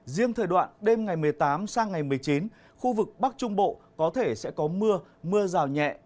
riêng thời đoạn đêm ngày một mươi tám sang ngày một mươi chín khu vực bắc trung bộ có thể sẽ có mưa mưa rào nhẹ